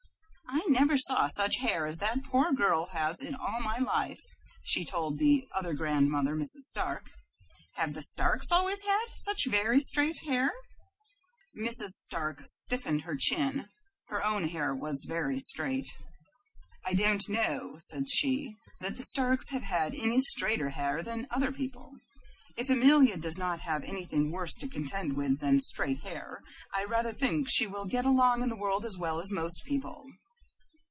"I never saw such hair as that poor child has in all my life," she told the other grandmother, Mrs. Stark. "Have the Starks always had such very straight hair?" Mrs. Stark stiffened her chin. Her own hair was very straight. "I don't know," said she, "that the Starks have had any straighter hair than other people. If Amelia does not have anything worse to contend with than straight hair I rather think she will get along in the world as well as most people."